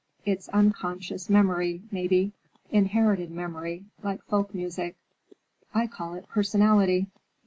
It's unconscious memory, maybe; inherited memory, like folk music. I call it personality."